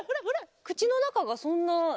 口の中がそんな。